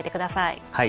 はい。